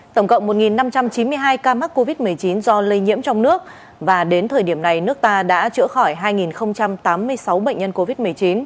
tổng cộng một năm trăm chín mươi hai ca mắc covid một mươi chín do lây nhiễm trong nước và đến thời điểm này nước ta đã chữa khỏi hai tám mươi sáu bệnh nhân covid một mươi chín